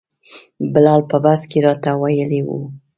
بلال په بس کې راته ویلي وو.